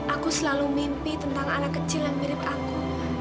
aku selalu mimpi tentang anak kecil yang mirip aku